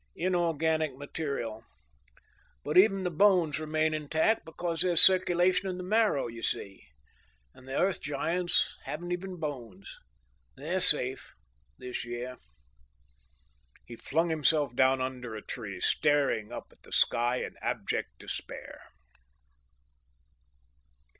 "Inorganic material. But even the bones remain intact because there's circulation in the marrow, you see. And the Earth Giants haven't even bones. They're safe this year!" He flung himself down under a tree, staring up at the sky in abject despair.